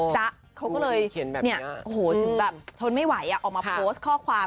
จ๊ะเขาก็เลยถึงแบบทนไม่ไหวออกมาโพสต์ข้อความ